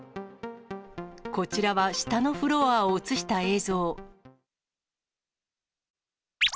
こちらは下のフロアを写した映像。